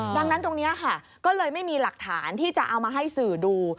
ดังนั้นตรงนี้ค่ะก็เลยไม่มีหลักฐานที่จะเอามาให้สื่อดู